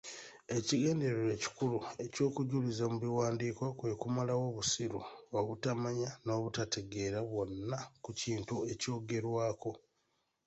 Ekigendererwa ekikulu ekyokujuliza mu biwandiiko kwe kumalawo obussiru, obutamanya n'obatategeera bwonna ku kintu ekyogerwako.